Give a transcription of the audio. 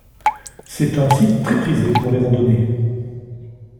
C'est un site très prisé pour les randonnées.